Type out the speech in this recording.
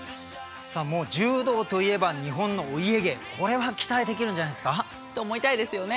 さあ柔道といえば日本のお家芸これは期待できるんじゃないですか？と思いたいですよね？